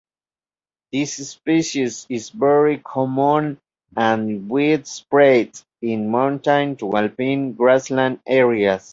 This species is very common and widespread in montane to alpine grassland areas.